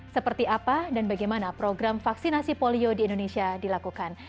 seperti apa dan bagaimana program vaksinasi polio di indonesia dilakukan